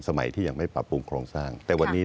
สมัยที่ยังไม่ปรับปรุงโครงสร้าง